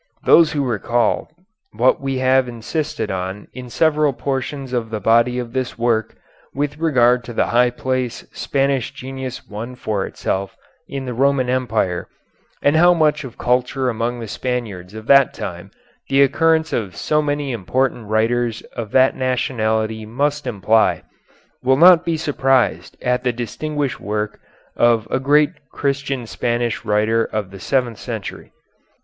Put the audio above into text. Those who recall what we have insisted on in several portions of the body of this work with regard to the high place Spanish genius won for itself in the Roman Empire, and how much of culture among the Spaniards of that time the occurrence of so many important writers of that nationality must imply, will not be surprised at the distinguished work of a great Christian Spanish writer of the seventh century.